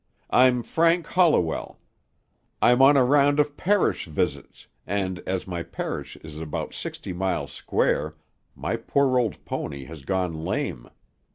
I'm Frank Holliwell. I'm on a round of parish visits, and, as my parish is about sixty miles square, my poor old pony has gone lame.